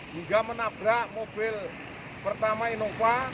hingga menabrak mobil pertama inova